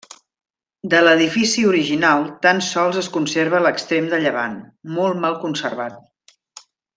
De l'edifici original tan sols es conserva l'extrem de llevant, molt mal conservat.